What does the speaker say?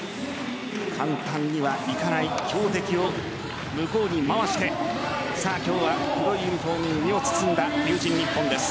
簡単にはいかない強敵を向こうに回して今日は黒いユニホームに身を包んだ龍神ＮＩＰＰＯＮです。